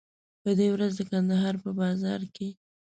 په دې ورځ د کندهار په بازار کې.